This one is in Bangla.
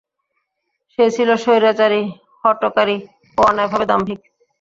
সে ছিল স্বৈরাচারী, হঠকারী ও অন্যায়ভাবে দাম্ভিক।